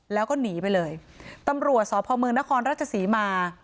แล้วก็หนีไปเลยตำรวจสพมนครราชศรีมา